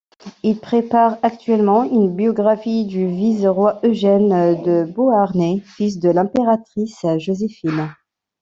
Il prépare actuellement une biographie du vice-roi Eugène de Beauharnais, fils de l'Impératrice Joséphine.